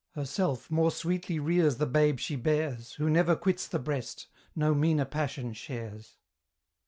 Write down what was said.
Herself more sweetly rears the babe she bears, Who never quits the breast, no meaner passion shares.